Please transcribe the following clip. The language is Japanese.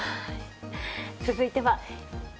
続いては。